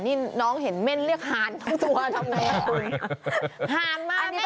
นี่น้องเห็นเม่นเรียกฮานตัวทำเนี่ยคุณ